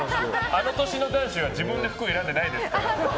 あの年の男子は自分で服を選んでないですから。